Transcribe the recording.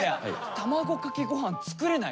卵かけごはん作れない？